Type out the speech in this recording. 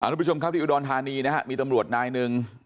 อ่ะนายผู้ชมครับอยู่ดอนฐานีนะฮะมีตำรวจนายหนึ่ง